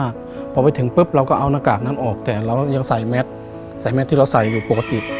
พอไปถึงปุ๊บเราก็เอาหน้ากากน้ำออกแต่เรายังใส่แมสใส่แมทที่เราใส่อยู่ปกติ